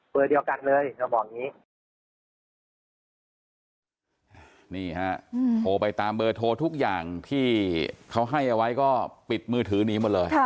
เบอร์เดียวกันเลยเขาบอกอย่างนี้